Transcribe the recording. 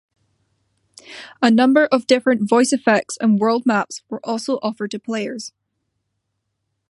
A number of different voice effects and world maps were also offered to players.